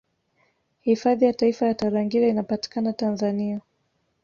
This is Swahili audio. Hifadhi ya Taifa ya Tarangire inapatikana Tanzania